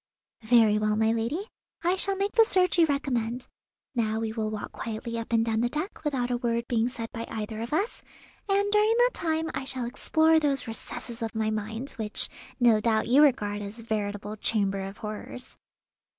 "Very well, my lady, I shall make the search you recommend. Now we will walk quietly up and down the deck without a word being said by either of us, and during that time I shall explore those recesses of my mind, which no doubt you regard as veritable 'chambers of horrors.